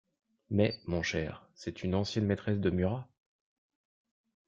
Mais, mon cher, c’est une ancienne maîtresse de Murat!